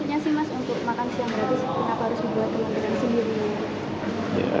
kenapa harus dibahas kementerian sendiri